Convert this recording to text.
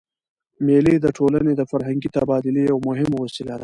مېلې د ټولني د فرهنګي تبادلې یوه مهمه وسیله ده.